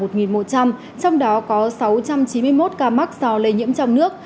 trong đó có sáu trăm chín mươi một ca mắc do lây nhiễm trong nước